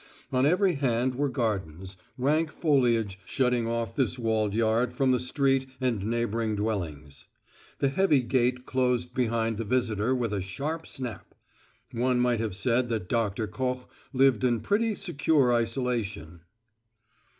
On every hand were gardens, rank foliage shutting off this walled yard from the street and neighboring dwellings. The heavy gate closed behind the visitor with a sharp snap. One might have said that Doctor Koch lived in pretty secure isolation.